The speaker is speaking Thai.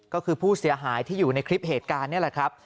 ก็คือผู้เสียหายที่อยู่ในคลิปเหตุการณ์นี่แหละครับ